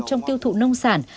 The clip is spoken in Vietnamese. trong tiêu thụ nông sản